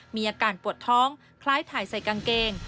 มีอาการปวดท้องคล้ายถ่ายใส่กางเกง